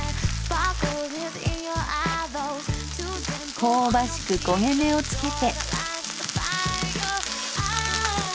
香ばしく焦げ目をつけて。